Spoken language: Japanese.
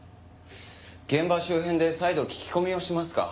現場周辺で再度聞き込みをしますか。